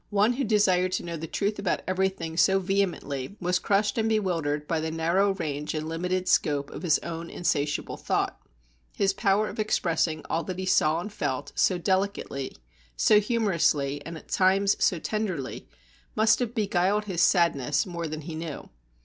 One who desired to know the truth about everything so vehemently, was crushed and bewildered by the narrow range and limited scope of his own insatiable thought. His power of expressing all that he saw and felt, so delicately, so humorously, and at times so tenderly, must have beguiled his sadness more than he knew.